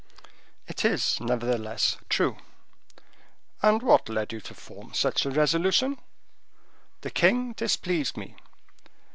"It is nevertheless true." "And what led you to form such a resolution." "The king displeased me.